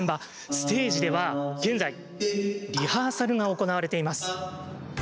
ステージでは現在リハーサルが行われています。